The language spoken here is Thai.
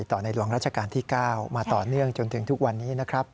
ในหลวงราชการที่๙มาต่อเนื่องจนถึงทุกวันนี้นะครับ